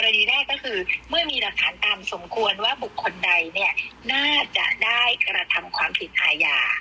ดีแรกก็คือเมื่อมีหลักฐานตามสมควรว่าบุคคลใดเนี่ยน่าจะได้กระทำความผิดอาญา